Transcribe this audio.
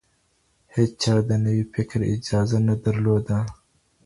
هيچا د نوي فکر اجازه نه درلوده.